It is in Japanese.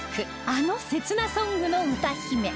あの「切なソング」の歌姫